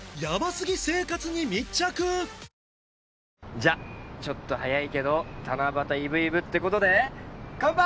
じゃあちょっと早いけど七夕イブイブって事で乾杯！